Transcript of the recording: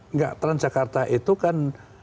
enggak transjakarta itu kan